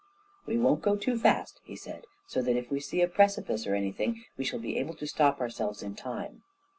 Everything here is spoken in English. "We won't go too fast," he said, "so that, if we see a precipice or anything, we shall be able to stop ourselves in time."